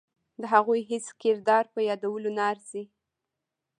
د هغوی هیڅ کردار په یادولو نه ارزي.